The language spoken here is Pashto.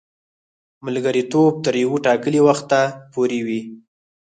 ملګرتوب تر یوه ټاکلي وخته پوري وي.